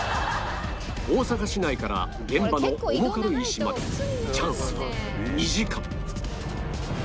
大阪市内から現場の重軽石までチャンスは２時間